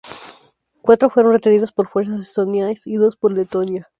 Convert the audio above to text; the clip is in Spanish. Cuatro fueron retenidos por fuerzas estonias y dos por Letonia.